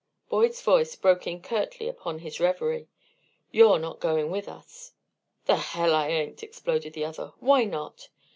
Boyd's voice broke in curtly upon his revery. "You're not going with us." "The hell I ain't!" exploded the other. "Why not?"